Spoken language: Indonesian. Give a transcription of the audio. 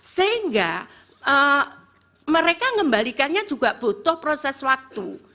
sehingga mereka mengembalikannya juga butuh proses waktu